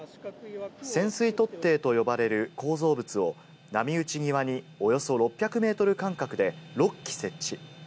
潜水突堤と呼ばれる構造物を波打ち際におよそ６００メートル間隔で６基設置。